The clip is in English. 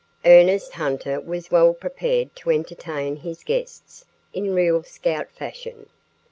Ernest Hunter was well prepared to entertain his guests in real scout fashion.